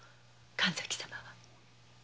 神崎様は。